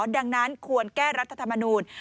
ดังนั้นควรแก้รัฐธรรมนูญ